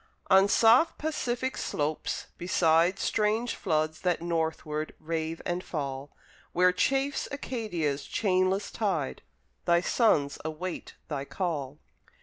On soft Pacific slopes, beside Strange floods that northward rave and fall, Where chafes Acadia's chainless tide Thy sons await thy call.